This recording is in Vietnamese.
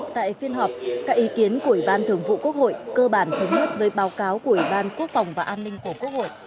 tại phiên họp các ý kiến của ủy ban thường vụ quốc hội cơ bản thống nhất với báo cáo của ủy ban quốc phòng và an ninh của quốc hội